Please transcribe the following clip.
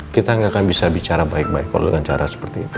kita nggak akan bisa bicara baik baik kalau dengan cara seperti itu